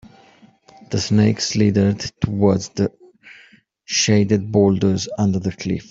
The snake slithered toward the shaded boulders under the cliff.